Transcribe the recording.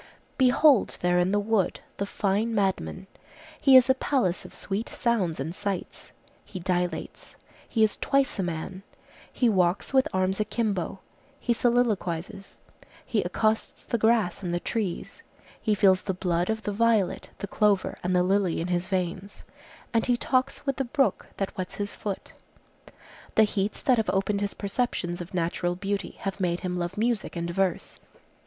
Behold there in the wood the fine madman! He is a palace of sweet sounds and sights; he dilates; he is twice a man; he walks with arms akimbo; he soliloquizes; he accosts the grass and the trees; he feels the blood of the violet, the clover and the lily in his veins; and he talks with the brook that wets his foot. The heats that have opened his perceptions of natural beauty have made him love music and verse.